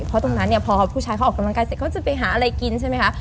เพราะตรงนั้นเนี่ยพอผู้ชายเขาออกกำลังกายเสร็จเขาจะไปหาอะไรกินใช่ไหมคะ